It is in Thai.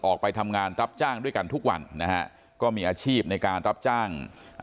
ออกไปทำงานรับจ้างด้วยกันทุกวันนะฮะก็มีอาชีพในการรับจ้างอ่า